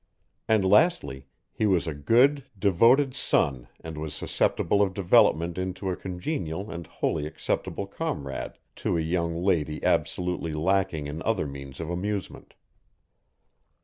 And lastly, he was a good, devoted son and was susceptible of development into a congenial and wholly acceptable comrade to a young lady absolutely lacking in other means of amusement.